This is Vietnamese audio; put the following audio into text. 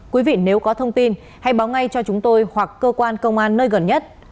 quý vị nếu có thông tin hãy báo ngay cho chúng tôi hoặc cơ quan công an nơi gần nhất